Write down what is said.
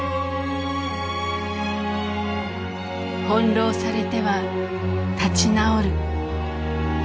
翻弄されては立ち直る。